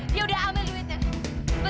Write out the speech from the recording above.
dia udah ambil duitnya